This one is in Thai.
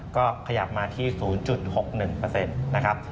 ก็ขยับมาที่๐๖๑นะครับ